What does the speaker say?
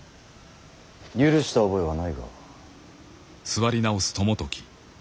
許した覚えはないが。